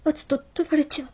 取られちゃう。